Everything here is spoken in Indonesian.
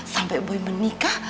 sampai boy menikah